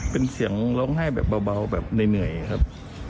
เป็นเสียงร้องไห้แบบเบาแบบเหนื่อยครับ